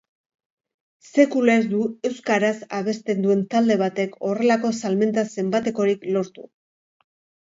Sekula ez du euskaraz abesten duen talde batek horrelako salmenta-zenbatekorik lortu.